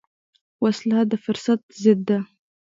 وسله د فطرت ضد ده